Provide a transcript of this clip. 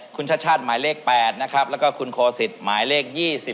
คุณชาติชาติหมายเลข๘นะครับแล้วก็คุณโคสิตหมายเลข๒๔